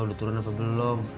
udah turun apa belum